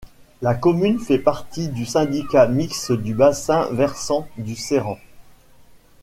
La commune fait partie du syndicat mixte du bassin versant du Séran.